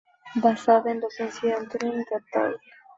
Basada en" Los Cenci" de Antonin Artaud.